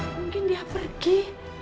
mungkin dia pergi